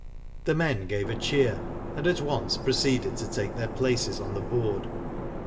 The men gave a cheer, and at once proceeded to take their places on the board.